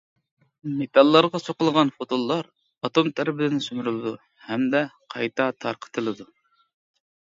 مېتاللارغا سوقۇلغان فوتونلار ئاتوم تەرىپىدىن سۈمۈرۈلىدۇ ھەمدە قايتا تارقىتىلىدۇ.